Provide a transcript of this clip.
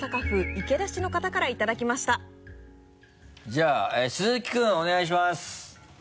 じゃあ鈴木君お願いします。